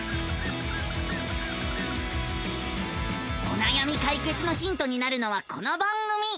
おなやみ解決のヒントになるのはこの番組。